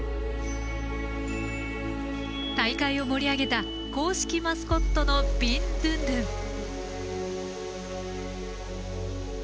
大会を盛り上げた公式マスコットのビン・ドゥンドゥン。